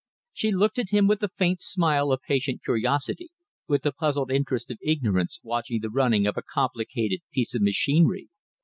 She looked at him with the faint smile of patient curiosity, with the puzzled interest of ignorance watching the running of a complicated piece of machinery.